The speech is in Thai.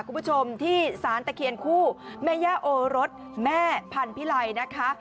คุณผู้ชมที่สารตะเคียนคู่แม่ย่าโอรสแม่พันธิไลนะคะ